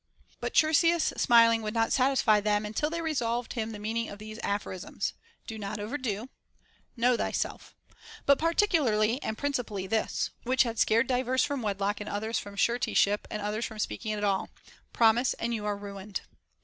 But Chersias smiling would not satisfy them, until they resolved him the meaning of these aphorisms ;" Do not overdo," " Know thyself," but particularly and principally this, — which had scared divers from wedlock and others from suretyship and others from speaking at all, —" Promise, and you are ruined."